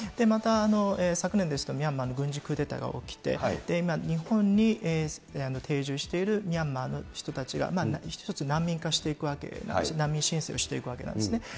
また、昨年ですとミャンマーの軍事クーデターが起きて、今、日本に定住しているミャンマーの人たちが一つ、難民化していくわけなんですね。